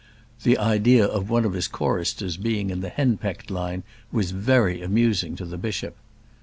The idea of one of his choristers being in the henpecked line was very amusing to the bishop.